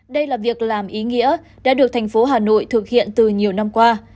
đây là việc làm ý nghĩa đã được thành phố hà nội thực hiện từ nhiều năm qua